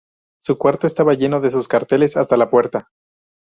Su cuarto estaba lleno de sus carteles hasta la puerta.